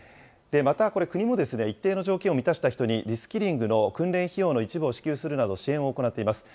またこれ、国も一定の条件を満たした人に、リスキリングの訓練費用の一部を支給するなど、支援を行っています。